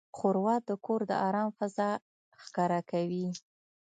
ښوروا د کور د آرام فضا ښکاره کوي.